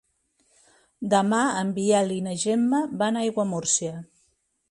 Demà en Biel i na Gemma van a Aiguamúrcia.